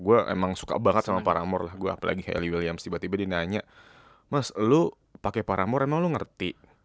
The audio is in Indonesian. gue emang suka banget sama paramore lah gue apalagi hayley williams tiba tiba dia nanya mas lu pake paramore emang lu ngerti